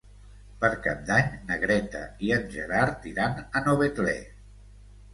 Per Cap d'Any na Greta i en Gerard iran a Novetlè.